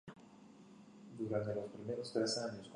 En julio del mismo año liberó su primer álbum de estudio.